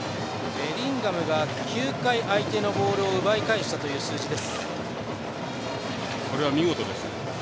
ベリンガムが９回、相手のボールを奪い返したという数字です。